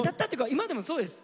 今でもそうです。